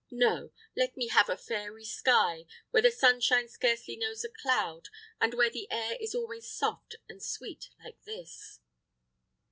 No! let me have a fairy sky, where the sunshine scarcely knows a cloud, and where the air is always soft and sweet like this."